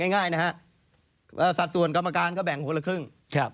ง่ายนะฮะสัดส่วนกรรมการก็แบ่งคนละครึ่ง